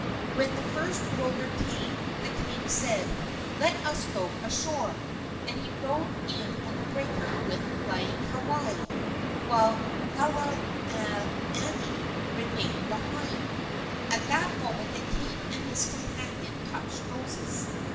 When the first roller came the king said, "Let us go ashore," and he rode in on the breaker with Laieikawai, while Halaaniani remained behind. At that moment the king and his companion touched noses.